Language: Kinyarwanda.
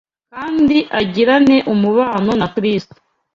kandi agirane umubano na Kristo